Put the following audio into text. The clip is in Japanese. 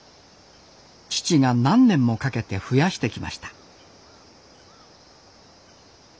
父が何年もかけて増やしてきました。